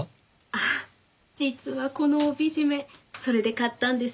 あっ実はこの帯締めそれで買ったんです。